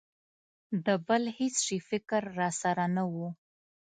د بل هېڅ شي فکر را سره نه و.